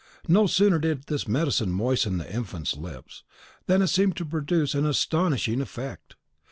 No sooner did this medicine moisten the infant's lips, than it seemed to produce an astonishing effect.